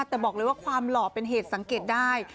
แต่บอกเลยว่าความหล่อเป็นเหตุสังเกตได้